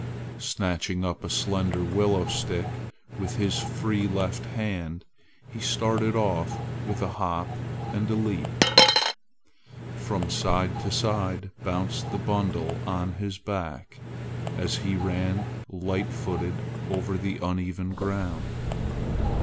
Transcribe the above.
Snatching up a slender willow stick with his free left hand, he started off with a hop and a leap. From side to side bounced the bundle on his back, as he ran light footed over the uneven ground.